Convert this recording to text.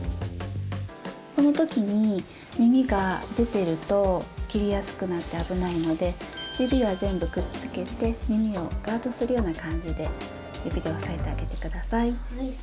この時に耳が出てると切りやすくなって危ないので指は全部くっつけて耳をガードするような感じで指で押さえてあげて下さい。